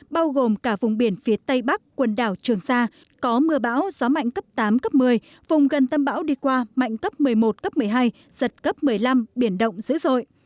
bao gồm cả vùng biển phía tây bắc quần đảo trường sa có mưa bão gió mạnh cấp tám cấp một mươi vùng gần tâm bão đi qua mạnh cấp một mươi một cấp một mươi hai giật cấp một mươi năm biển động dữ dội